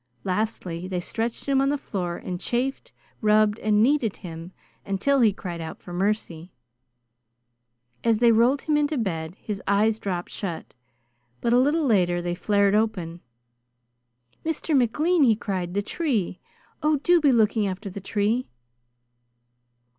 Lastly they stretched him on the floor and chafed, rubbed, and kneaded him until he cried out for mercy. As they rolled him into bed, his eyes dropped shut, but a little later they flared open. "Mr. McLean," he cried, "the tree! Oh, do be looking after the tree!"